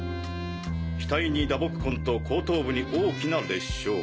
額に打撲痕と後頭部に大きな裂傷。